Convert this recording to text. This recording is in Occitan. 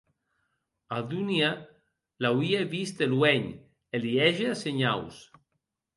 A Dunia l’auie vist de luenh e li hège senhaus.